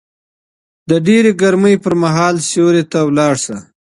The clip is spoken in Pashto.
د ډېرې ګرمۍ پر مهال سيوري ته ولاړ شه